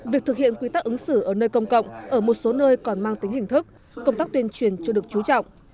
việc thực hiện quy tắc ứng xử ở nơi công cộng ở một số nơi còn mang tính hình thức công tác tuyên truyền chưa được trú trọng